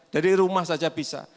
dari rumah saja bisa